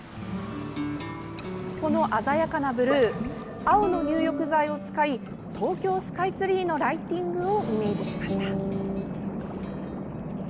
この鮮やかなブルー青の入浴剤を使い東京スカイツリーのライティングをイメージしました。